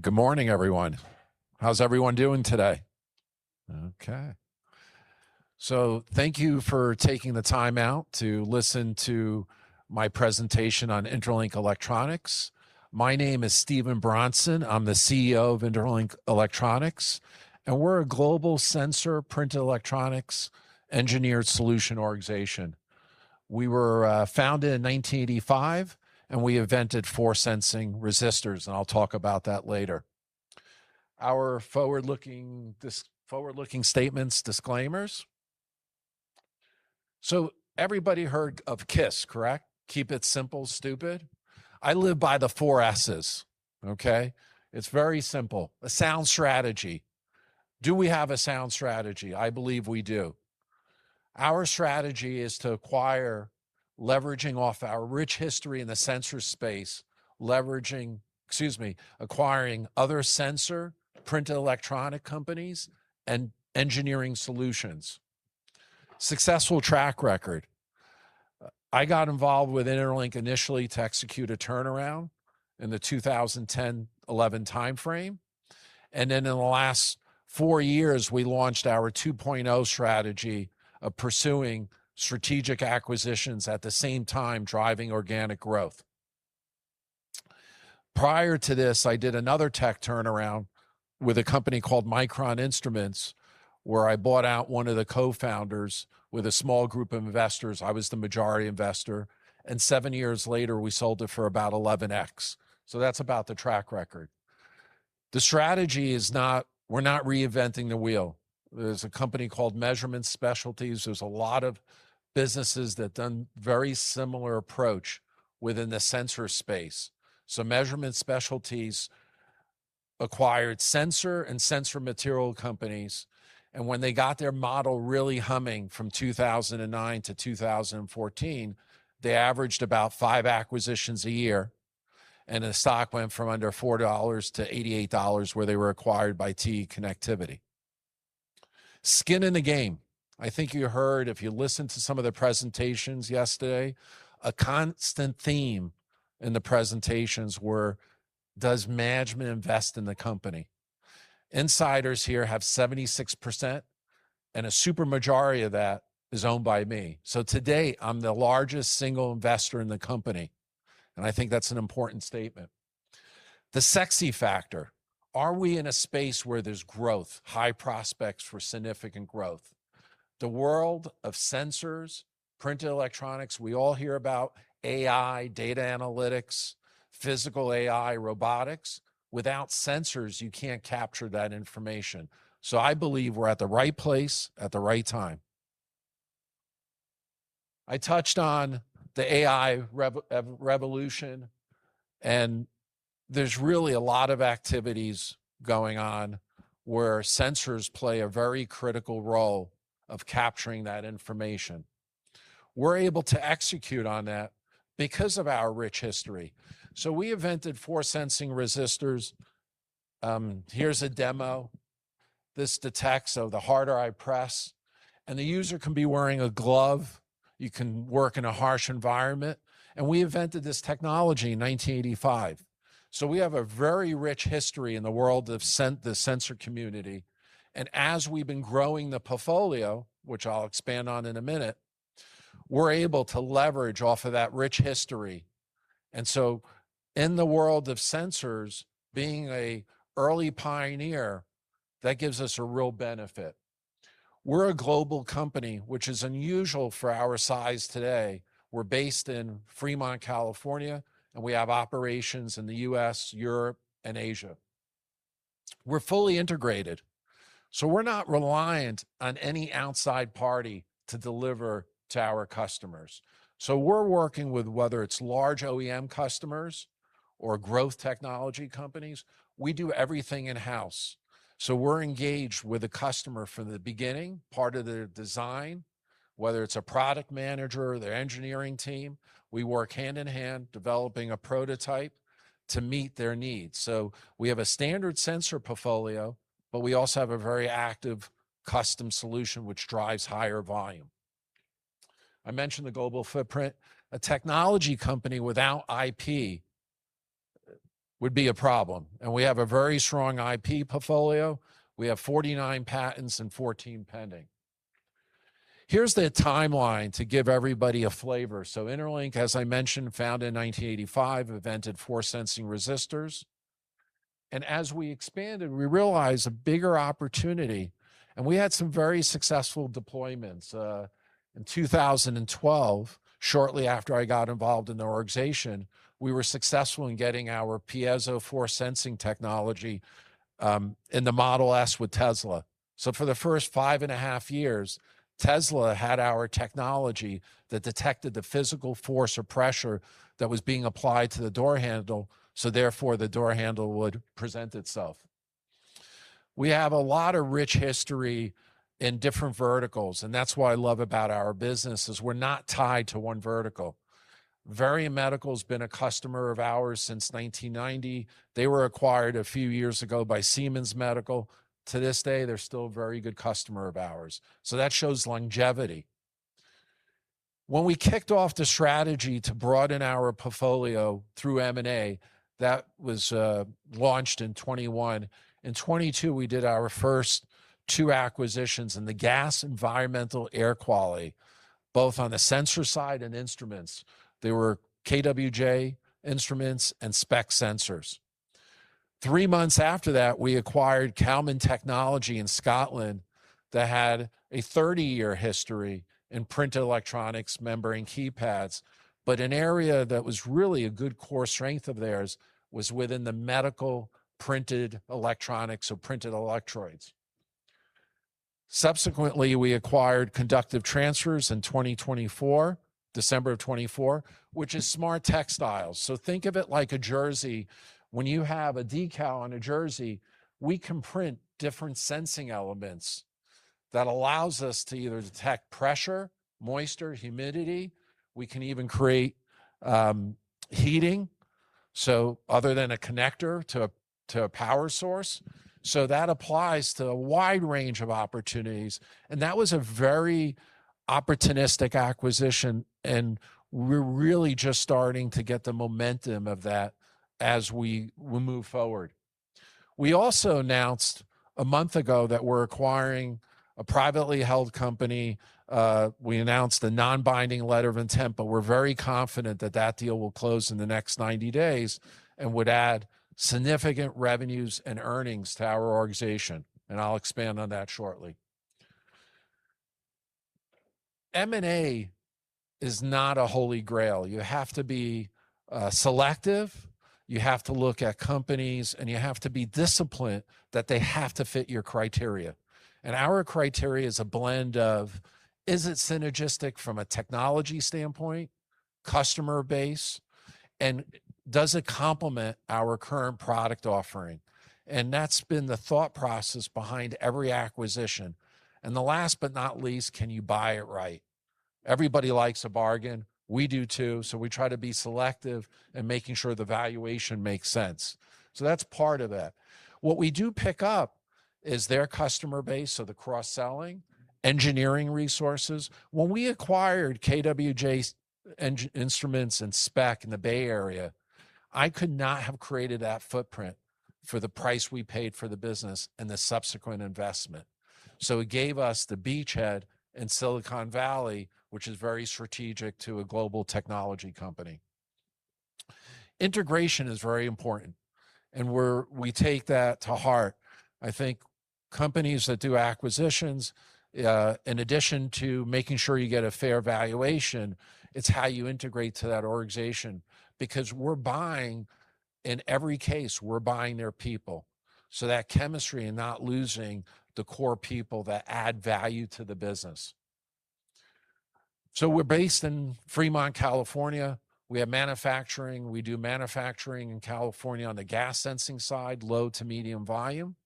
Good morning, everyone. How's everyone doing today? Okay. Thank you for taking the time out to listen to my presentation on Interlink Electronics. My name is Steven Bronson. I'm the CEO of Interlink Electronics, and we're a global sensor printed electronics engineered solution organization. We were founded in 1985, and we invented force-sensing resistors, and I'll talk about that later. Our forward-looking statements disclaimers. Everybody heard of KISS, correct? Keep it simple, stupid. I live by the four S's. Okay? It's very simple. A sound strategy. Do we have a sound strategy? I believe we do. Our strategy is to acquire, leveraging off our rich history in the sensor space, acquiring other sensor printed electronic companies and engineering solutions. Successful track record. I got involved with Interlink initially to execute a turnaround in the 2010/2011 timeframe, and then in the last four years, we launched our 2.0 strategy of pursuing strategic acquisitions, at the same time driving organic growth. Prior to this, I did another tech turnaround with a company called Micron Instruments, where I bought out one of the co-founders with a small group of investors. I was the majority investor, and seven years later, we sold it for about 11x. That's about the track record. The strategy is we're not reinventing the wheel. There's a company called Measurement Specialties. There's a lot of businesses that done very similar approach within the sensor space. Measurement Specialties acquired sensor and sensor material companies, and when they got their model really humming from 2009 to 2014, they averaged about five acquisitions a year, and the stock went from under $4-$88, where they were acquired by TE Connectivity. Skin in the game. I think you heard, if you listened to some of the presentations yesterday, a constant theme in the presentations were, does management invest in the company? Insiders here have 76%, and a super majority of that is owned by me. Today, I'm the largest single investor in the company, and I think that's an important statement. The sexy factor. Are we in a space where there's growth, high prospects for significant growth? The world of sensors, printed electronics, we all hear about AI, data analytics, physical AI, robotics. Without sensors, you can't capture that information. I believe we're at the right place at the right time. I touched on the AI revolution, and there's really a lot of activities going on where sensors play a very critical role of capturing that information. We're able to execute on that because of our rich history. We invented force-sensing resistors. Here's a demo. This detects, the harder I press, and the user can be wearing a glove. You can work in a harsh environment. We invented this technology in 1985. We have a very rich history in the world of the sensor community. As we've been growing the portfolio, which I'll expand on in a minute, we're able to leverage off of that rich history. In the world of sensors, being a early pioneer, that gives us a real benefit. We're a global company, which is unusual for our size today. We're based in Fremont, California, and we have operations in the U.S., Europe, and Asia. We're fully integrated, we're not reliant on any outside party to deliver to our customers. We're working with, whether it's large OEM customers or growth technology companies, we do everything in-house. We're engaged with a customer from the beginning, part of their design, whether it's a product manager or their engineering team, we work hand-in-hand developing a prototype to meet their needs. We have a standard sensor portfolio, but we also have a very active custom solution which drives higher volume. I mentioned the global footprint. A technology company without IP would be a problem, and we have a very strong IP portfolio. We have 49 patents and 14 pending. Here's the timeline to give everybody a flavor. Interlink, as I mentioned, founded in 1985, invented force-sensing resistors. As we expanded, we realized a bigger opportunity, and we had some very successful deployments. In 2012, shortly after I got involved in the organization, we were successful in getting our piezo force sensing technology in the Model S with Tesla. For the first five and a half years, Tesla had our technology that detected the physical force or pressure that was being applied to the door handle, therefore, the door handle would present itself. We have a lot of rich history in different verticals, and that's what I love about our business, is we're not tied to one vertical. Varian Medical's been a customer of ours since 1990. They were acquired a few years ago by Siemens Healthineers. To this day, they're still a very good customer of ours. That shows longevity. When we kicked off the strategy to broaden our portfolio through M&A, that was launched in 2021. In 2022, we did our first two acquisitions in the gas environmental air quality, both on the sensor side and instruments. They were KWJ Engineering and SPEC Sensors. Three months after that, we acquired Calman Technology in Scotland that had a 30-year history in printed electronics membrane keypads, but an area that was really a good core strength of theirs was within the medical printed electronics or printed electrodes. Subsequently, we acquired Conductive Transfers in 2024, December of 2024, which is smart textiles. Think of it like a jersey. When you have a decal on a jersey, we can print different sensing elements that allows us to either detect pressure, moisture, humidity. We can even create heating, other than a connector to a power source. That applies to a wide range of opportunities, and that was a very opportunistic acquisition, and we're really just starting to get the momentum of that as we move forward. We also announced a month ago that we're acquiring a privately held company. We announced the non-binding letter of intent, we're very confident that that deal will close in the next 90 days and would add significant revenues and earnings to our organization. I'll expand on that shortly. M&A is not a holy grail. You have to be selective, you have to look at companies, and you have to be disciplined that they have to fit your criteria. Our criteria is a blend of, is it synergistic from a technology standpoint, customer base, and does it complement our current product offering? That's been the thought process behind every acquisition. The last but not least, can you buy it right? Everybody likes a bargain. We do too, we try to be selective and making sure the valuation makes sense. That's part of it. What we do pick up is their customer base, the cross-selling, engineering resources. When we acquired KWJ Engineering and SPEC Sensors in the Bay Area, I could not have created that footprint for the price we paid for the business and the subsequent investment. It gave us the beachhead in Silicon Valley, which is very strategic to a global technology company. Integration is very important, and we take that to heart. I think companies that do acquisitions, in addition to making sure you get a fair valuation, it's how you integrate to that organization. Because we're buying, in every case, we're buying their people. That chemistry and not losing the core people that add value to the business. We're based in Fremont, California. We have manufacturing. We do manufacturing in California on the gas sensing side, low to medium volume.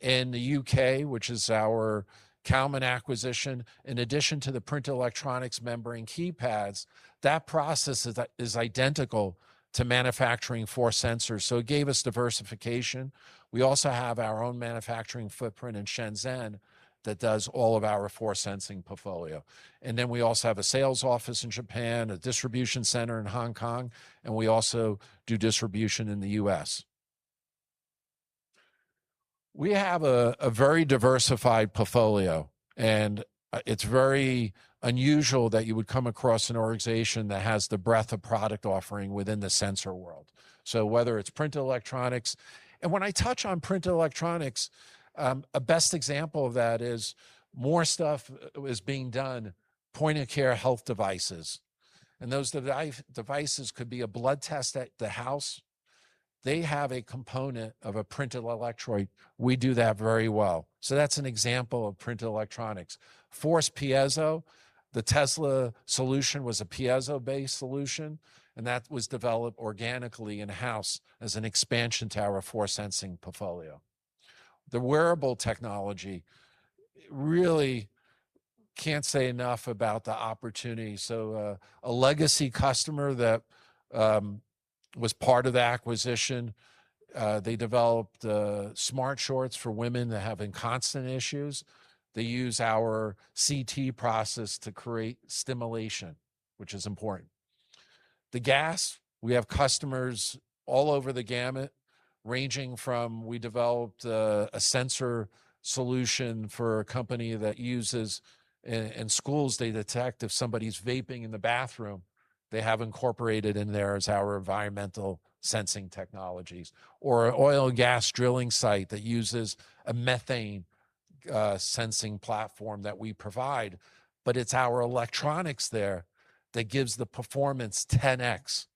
In the U.K., which is our Calman acquisition, in addition to the printed electronics membrane keypads, that process is identical to manufacturing for sensors. It gave us diversification. We also have our own manufacturing footprint in Shenzhen that does all of our force sensing portfolio. We also have a sales office in Japan, a distribution center in Hong Kong, and we also do distribution in the U.S. We have a very diversified portfolio, and it's very unusual that you would come across an organization that has the breadth of product offering within the sensor world. Whether it's printed electronics. When I touch on printed electronics, a best example of that is more stuff is being done, point-of-care health devices. Those devices could be a blood test at the house. They have a component of a printed electrode. We do that very well. That's an example of printed electronics. Force piezo, the Tesla solution was a piezo-based solution, and that was developed organically in-house as an expansion to our force sensing portfolio. The wearable technology, really can't say enough about the opportunity. A legacy customer that was part of the acquisition, they developed smart shorts for women that have incontinence issues. They use our CT process to create stimulation, which is important. The gas, we have customers all over the gamut, ranging from we developed a sensor solution for a company that uses, in schools, they detect if somebody's vaping in the bathroom. They have incorporated in there is our environmental sensing technologies. An oil and gas drilling site that uses a methane sensing platform that we provide. It's our electronics there that gives the performance 10x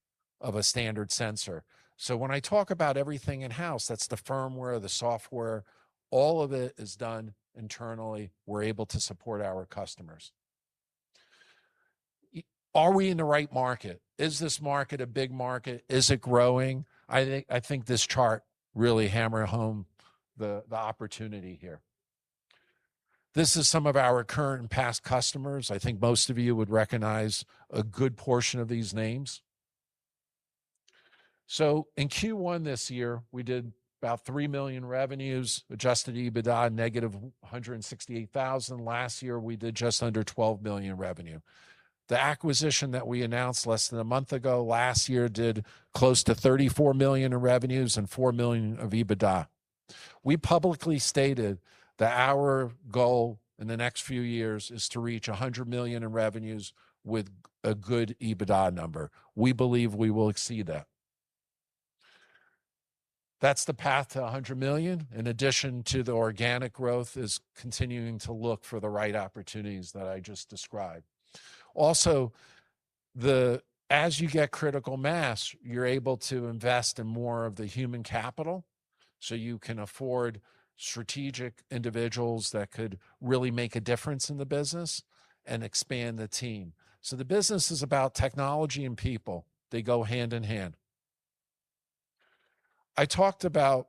of a standard sensor. When I talk about everything in-house, that's the firmware, the software, all of it is done internally. We're able to support our customers. Are we in the right market? Is this market a big market? Is it growing? I think this chart really hammers home the opportunity here. This is some of our current and past customers. I think most of you would recognize a good portion of these names. In Q1 this year, we did about $3 million revenues, adjusted EBITDA -$168,000. Last year, we did just under $12 million revenue. The acquisition that we announced less than a month ago, last year did close to $34 million in revenues and $4 million of EBITDA. We publicly stated that our goal in the next few years is to reach $100 million in revenues with a good EBITDA number. We believe we will exceed that. That's the path to $100 million. In addition to the organic growth, is continuing to look for the right opportunities that I just described. Also, as you get critical mass, you're able to invest in more of the human capital, so you can afford strategic individuals that could really make a difference in the business and expand the team. The business is about technology and people. They go hand in hand. I talked about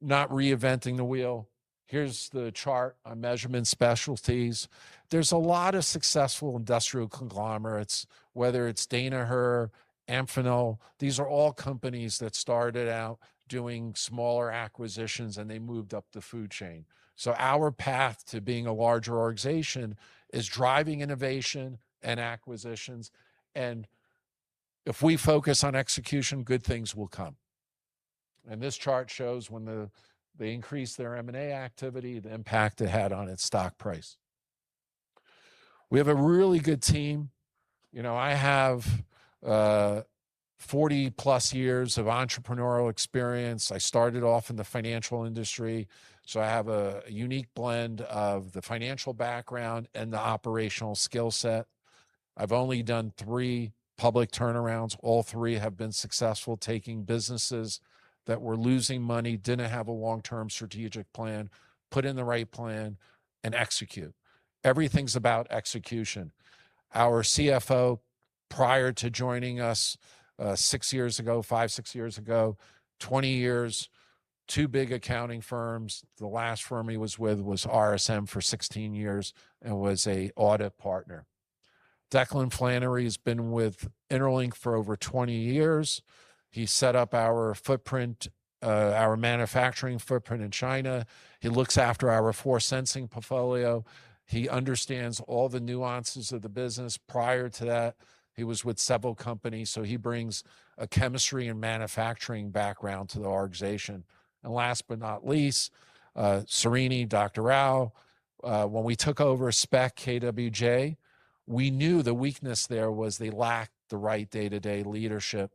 not reinventing the wheel. Here's the chart on Measurement Specialties. There's a lot of successful industrial conglomerates, whether it's Danaher, Amphenol. These are all companies that started out doing smaller acquisitions, and they moved up the food chain. Our path to being a larger organization is driving innovation and acquisitions, and if we focus on execution, good things will come. This chart shows when they increased their M&A activity, the impact it had on its stock price. We have a really good team. I have 40+ years of entrepreneurial experience. I started off in the financial industry, so I have a unique blend of the financial background and the operational skill set. I've only done three public turnarounds. All three have been successful, taking businesses that were losing money, didn't have a long-term strategic plan, put in the right plan, and execute. Everything's about execution. Our CFO, prior to joining us six years ago, five, six years ago, 20 years, two big accounting firms. The last firm he was with was RSM for 16 years and was a audit partner. Declan Flannery has been with Interlink for over 20 years. He set up our footprint, our manufacturing footprint in China. He looks after our force-sensing portfolio. He understands all the nuances of the business. Prior to that, he was with several companies, so he brings a chemistry and manufacturing background to the organization. Last but not least, Sreeni, Dr. Rao. When we took over SPEC, KWJ, we knew the weakness there was they lacked the right day-to-day leadership.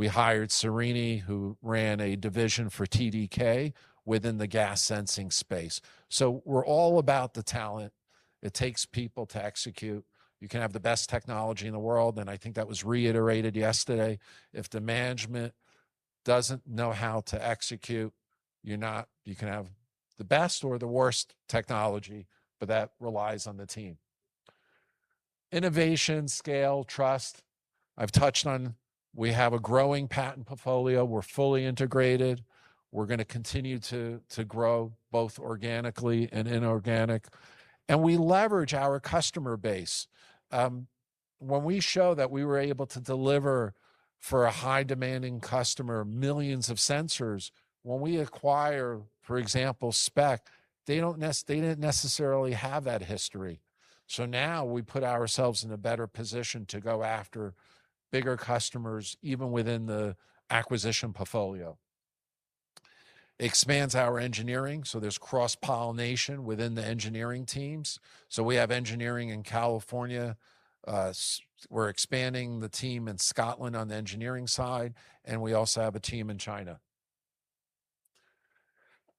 We hired Sreeni, who ran a division for TDK within the gas sensing space. We're all about the talent. It takes people to execute. You can have the best technology in the world, I think that was reiterated yesterday. If the management doesn't know how to execute, you can have the best or the worst technology, that relies on the team. Innovation, scale, trust. I've touched on we have a growing patent portfolio. We're fully integrated. We're going to continue to grow both organically and inorganic, and we leverage our customer base. When we show that we were able to deliver for a high-demanding customer, millions of sensors, when we acquire, for example, SPEC, they didn't necessarily have that history. Now we put ourselves in a better position to go after bigger customers, even within the acquisition portfolio. Expands our engineering, so there's cross-pollination within the engineering teams. We have engineering in California, we are expanding the team in Scotland on the engineering side, and we also have a team in China.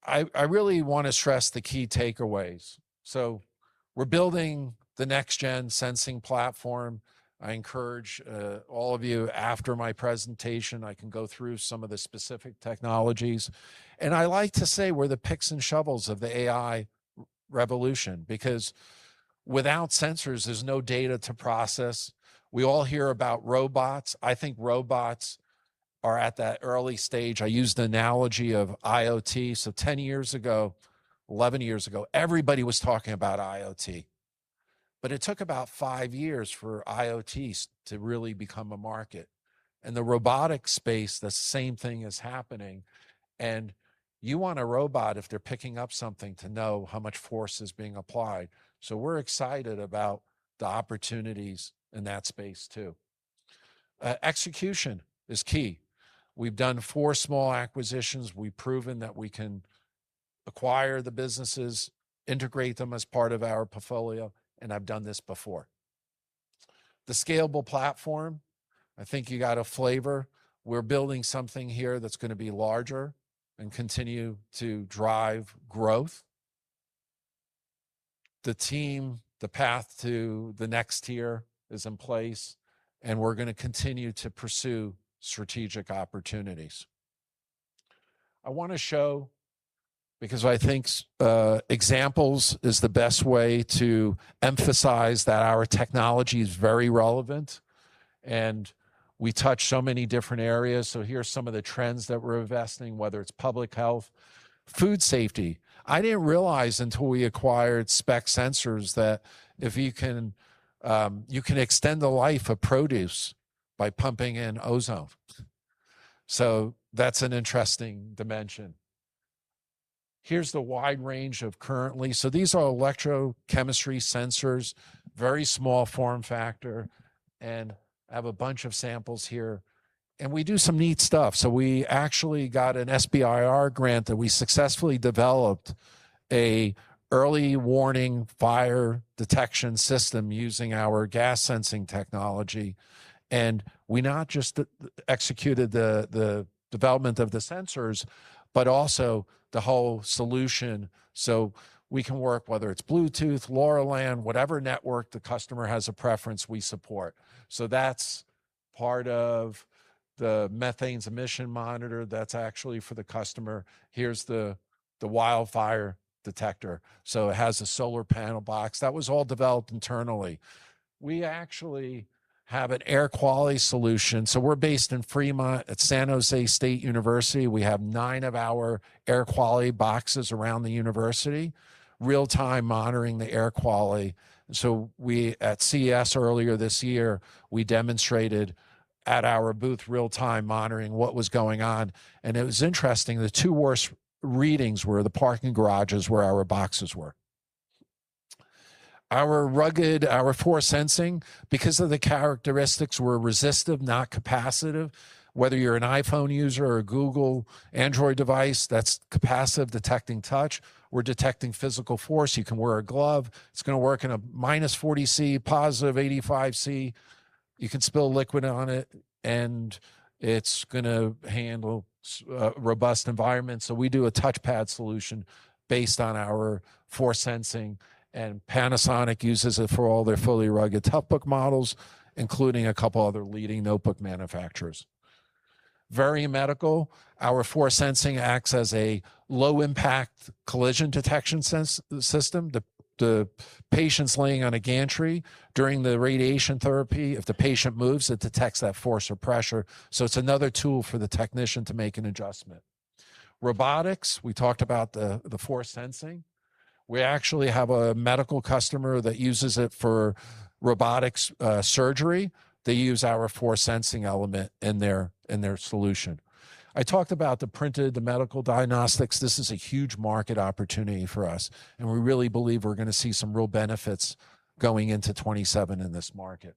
I really want to stress the key takeaways. We are building the next-gen sensing platform. I encourage all of you, after my presentation, I can go through some of the specific technologies. I like to say we are the picks and shovels of the AI revolution, because without sensors, there is no data to process. We all hear about robots. I think robots are at that early stage. I use the analogy of IoT. Ten years ago, 11 years ago, everybody was talking about IoT. It took about five years for IoT to really become a market. In the robotic space, the same thing is happening. You want a robot, if they are picking up something, to know how much force is being applied. We are excited about the opportunities in that space too. Execution is key. We have done four small acquisitions. We have proven that we can acquire the businesses, integrate them as part of our portfolio, and I have done this before. The scalable platform, I think you got a flavor. We are building something here that is going to be larger and continue to drive growth. The team, the path to the next tier is in place, and we are going to continue to pursue strategic opportunities. I want to show, because I think examples is the best way to emphasize that our technology is very relevant, and we touch so many different areas. Here are some of the trends that we are investing, whether it is public health, food safety. I did not realize until we acquired SPEC Sensors that you can extend the life of produce by pumping in ozone. That is an interesting dimension. Here is the wide range of currently. These are electrochemical sensors, very small form factor, and I have a bunch of samples here, and we do some neat stuff. We actually got an SBIR grant that we successfully developed an early warning fire detection system using our gas sensing technology. We not just executed the development of the sensors, but also the whole solution. We can work, whether it is Bluetooth, LoRaWAN, whatever network the customer has a preference, we support. That is part of the methane emission monitor. That is actually for the customer. Here is the wildfire detector. It has a solar panel box. That was all developed internally. We actually have an air quality solution. We are based in Fremont at San José State University. We have nine of our air quality boxes around the university, real-time monitoring the air quality. We, at CES earlier this year, we demonstrated at our booth real-time monitoring what was going on. It was interesting, the two worst readings were the parking garages where our boxes were. Our rugged, our force sensing, because of the characteristics, we are resistive, not capacitive. Whether you are an iPhone user or a Google Android device, that is capacitive detecting touch. We are detecting physical force. You can wear a glove. It is going to work in a -40 degrees Celsius, +85 degrees Celsius. You can spill liquid on it, and it is going to handle robust environments. We do a touchpad solution based on our force sensing, and Panasonic uses it for all their fully rugged TOUGHBOOK models, including a couple other leading notebook manufacturers. Varian Medical. Our force sensing acts as a low-impact collision detection system. The patient is laying on a gantry during the radiation therapy. If the patient moves, it detects that force or pressure, so it's another tool for the technician to make an adjustment. Robotics, we talked about the force sensing. We actually have a medical customer that uses it for robotics surgery. They use our force-sensing element in their solution. I talked about the printed, the medical diagnostics. This is a huge market opportunity for us, and we really believe we're going to see some real benefits going into 2027 in this market.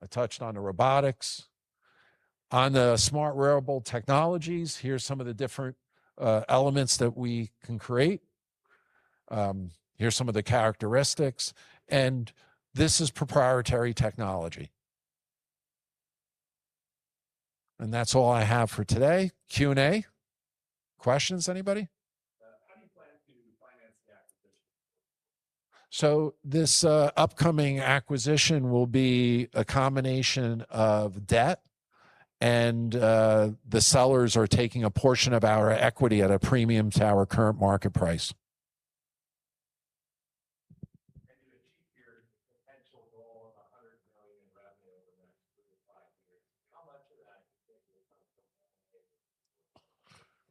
I touched on the robotics. On the smart wearable technologies, here's some of the different elements that we can create. Here's some of the characteristics, and this is proprietary technology. That's all I have for today. Q&A. Questions, anybody? How do you plan to finance the acquisition? This upcoming acquisition will be a combination of debt and the sellers are taking a portion of our equity at a premium to our current market price.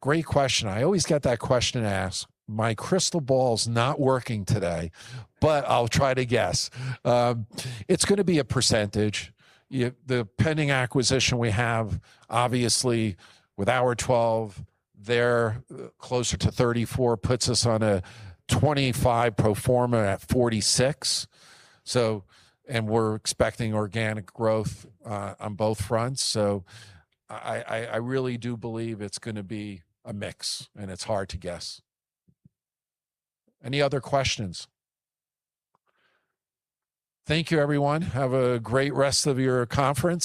To achieve your potential goal of $100 million in revenue over the next few years, how much of that do you think will come from? Great question. I always get that question asked. My crystal ball's not working today, but I'll try to guess. It's going to be a percentage. The pending acquisition we have, obviously with our 12 there, closer to 34 puts us on a 25 pro forma at 46. We're expecting organic growth on both fronts. I really do believe it's going to be a mix, and it's hard to guess. Any other questions? Thank you, everyone. Have a great rest of your conference.